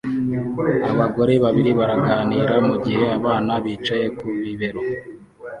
Abagore babiri baraganira mugihe abana bicaye ku bibero